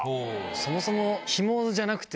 そもそも。